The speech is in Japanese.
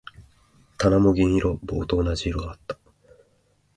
棚も銀色。棒と同じ色だった。